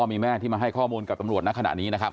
มีแม่ที่มาให้ข้อมูลกับตำรวจในขณะนี้นะครับ